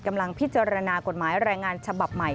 กำลังพิจารณากฎหมายแรงงานฉบับใหม่